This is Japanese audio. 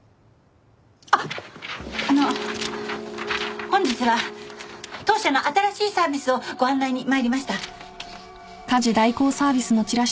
あの本日は当社の新しいサービスをご案内に参りました。